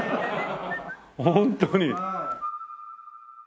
本当に。